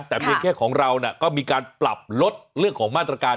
แต่เพียงแค่ของเราก็มีการปรับลดเรื่องของมาตรการ